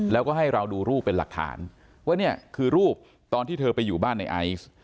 แล้วก็ให้เราดูรูปเป็นหลักฐานว่าเนี่ยคือรูปตอนที่เธอไปอยู่บ้านในไอซ์